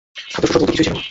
খাদ্যশস্য বলতে কিছুই ছিলনা।